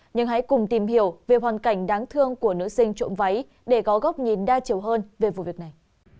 nhưng hãy cùng tìm hiểu về hoàn cảnh đáng thương của nữ sinh trộm váy để có góc nhìn đa chiều hơn về vụ việc này